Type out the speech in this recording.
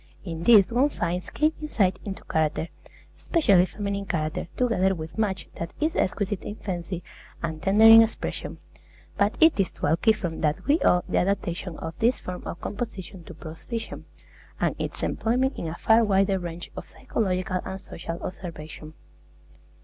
In these one finds keen insight into character, especially feminine character, together with much that is exquisite in fancy and tender in expression. But it is to Alciphron that we owe the adaptation of this form of composition to prose fiction, and its employment in a far wider range of psychological and social observation.